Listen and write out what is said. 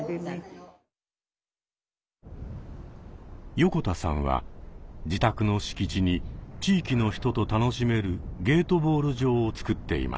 横田さんは自宅の敷地に地域の人と楽しめるゲートボール場をつくっていました。